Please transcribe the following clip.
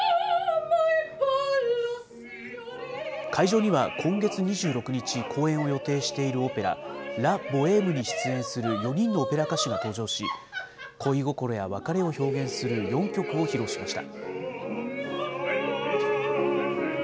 会場には今月２６日、公演を予定しているオペラ、ラ・ボエームに出演する４人のオペラ歌手が登場し、恋心や別れを表現する４曲を披露しました。